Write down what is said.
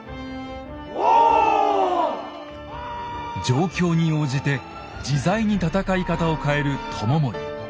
状況に応じて自在に戦い方を変える知盛。